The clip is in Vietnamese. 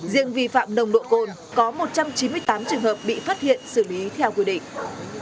riêng vi phạm nồng độ cồn có một trăm chín mươi tám trường hợp bị phát hiện xử lý theo quy định